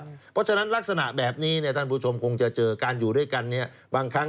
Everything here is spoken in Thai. เพราะฉะนั้นลักษณะแบบนี้ควรจะเจอการอยู่ด้วยกัน